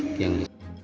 nah yang ini